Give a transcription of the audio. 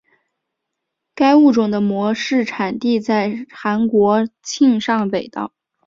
该物种的模式产地在韩国庆尚北道。